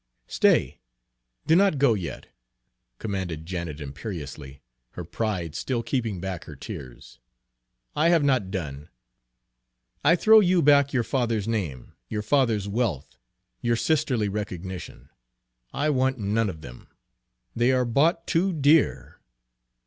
"Stay do not go yet!" commanded Janet imperiously, her pride still keeping back her tears. "I have not done. I throw you back your father's name, your father's wealth, your sisterly recognition. I want none of them, they are bought too dear!